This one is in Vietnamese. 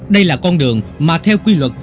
đây là con đường mà theo quy luật